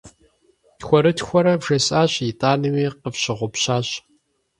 Тхуэрытхуэрэ вжесӏащ, итӏанэми къыфщыгъупщащ.